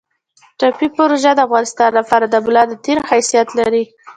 ټاپي پروژه د افغانستان لپاره د ملا د تیر حیثیت لري